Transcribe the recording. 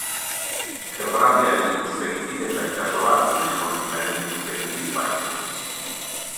Geografiaren ikuspegitik ez da itsaso bat baina politikaren ikuspegitik bai.